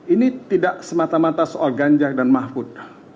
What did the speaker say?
ini tidak semata mata soal ganjar dan mahfud